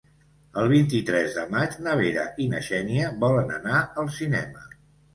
El vint-i-tres de maig na Vera i na Xènia volen anar al cinema.